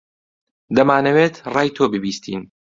دەمانەوێت ڕای تۆ ببیستین.